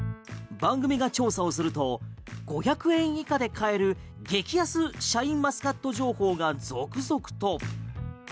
番組が調査をすると５００円以下で買える激安シャインマスカット情報が続々と。